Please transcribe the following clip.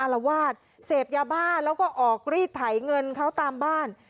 ละวาดเสพยาบ้าแล้วก็ออกรีดไถเงินเขาตามบ้าน